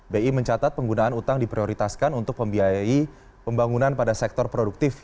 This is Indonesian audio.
bi mencatat penggunaan utang diprioritaskan untuk membiayai pembangunan pada sektor produktif